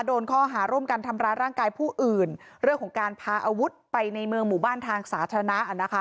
โดนข้อหาร่วมกันทำร้ายร่างกายผู้อื่นเรื่องของการพาอาวุธไปในเมืองหมู่บ้านทางสาธารณะนะคะ